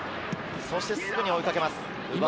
そしてすぐに追いかけます。